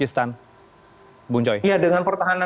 apakah timnas juga menyadari counter attack juga dimainkan oleh uzbek